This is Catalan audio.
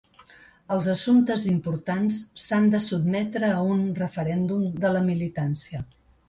Els assumptes importants s’han de sotmetre a un referèndum de la militància.